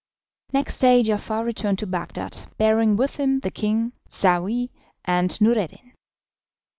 Next day Giafar returned to Bagdad, bearing with him the king, Saouy, and Noureddin.